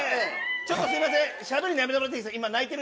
ちょっとすいません。